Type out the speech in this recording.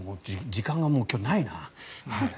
時間がもう今日はないな。